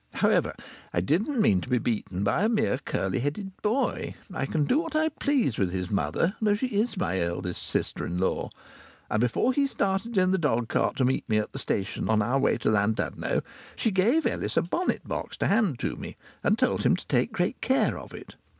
However, I didn't mean to be beaten by a mere curly headed boy. I can do what I please with his mother, though she is my eldest sister in law. And before he started in the dogcart to meet me at the station on our way to Llandudno she gave Ellis a bonnet box to hand to me, and told him to take great care of it.